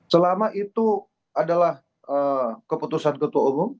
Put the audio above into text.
selama itu adalah keputusan ketua umum